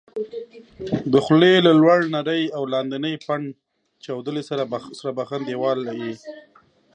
د خولې له لوړ نري او لاندني پنډ چاودلي سره بخن دېواله یې